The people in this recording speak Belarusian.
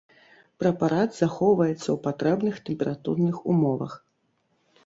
Прэпарат захоўваецца ў патрэбных тэмпературных умовах.